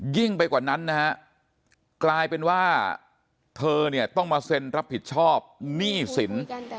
ยิ่งไปกว่านั้นนะฮะกลายเป็นว่าเธอเนี่ยต้องมาเซ็นรับผิดชอบหนี้สิน